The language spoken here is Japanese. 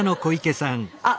あっ。